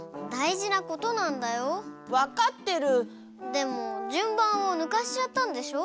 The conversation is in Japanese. でもじゅんばんをぬかしちゃったんでしょ？